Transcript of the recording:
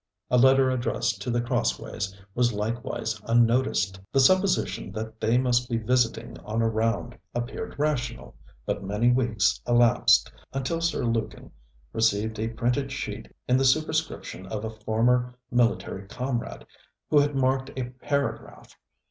A letter addressed to The Crossways was likewise unnoticed. The supposition that they must be visiting on a round, appeared rational; but many weeks elapsed, until Sir Lukin received a printed sheet in the superscription of a former military comrade, who had marked a paragraph.